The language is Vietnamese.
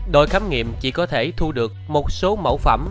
đội khám nghiệm chỉ có thể thu được một số mẫu phẩm